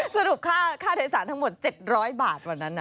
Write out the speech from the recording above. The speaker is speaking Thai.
สรุปค่าโดยสารทั้งหมด๗๐๐บาทวันนั้น